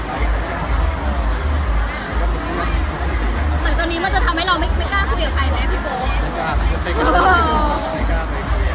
บางทีผมก็ไม่ได้ส่งนะบางทีผมก็ไม่ควรการ